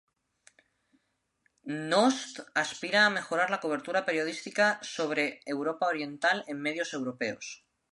N-ost aspira a mejorar la cobertura periodística sobre Europa Oriental en medios europeos.